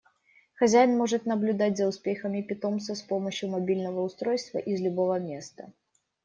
Хозяин может наблюдать за успехами питомца с помощью мобильного устройства из любого места.